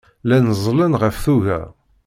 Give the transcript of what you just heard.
Llan ẓẓlen ɣef tuga.